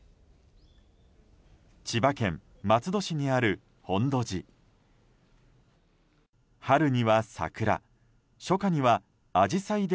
千葉県松戸市にある本土寺。